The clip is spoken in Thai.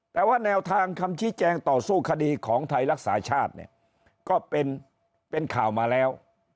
แต่ว่าแนวทางคำชี้แจงต่อสู้คดีของไทยรักษาชาติเนี่ยก็เป็นข่าวมาแล้ว